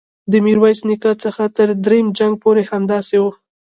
د میرویس نیکه څخه تر دریم جنګ پورې همداسې وه.